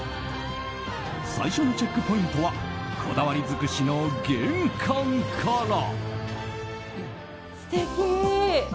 最初のチェックポイントはこだわり尽くしの玄関から。